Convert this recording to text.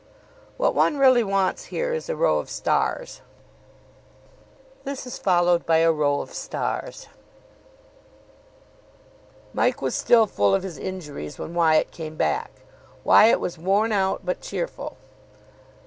What one really wants here is a row of stars. Mike was still full of his injuries when Wyatt came back. Wyatt was worn out, but cheerful.